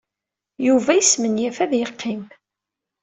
Yuba yesmenyaf ad yeqqim.